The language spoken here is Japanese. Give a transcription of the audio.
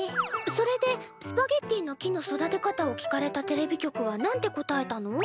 それでスパゲッティの木の育て方を聞かれたテレビ局は何て答えたの？